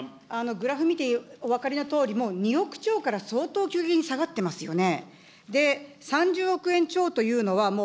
グラフ見てお分かりのとおり、もう２億超から急激に下がってますよね。